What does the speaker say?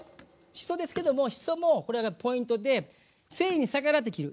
しそですけどもしそもこれがポイントで繊維に逆らって切る。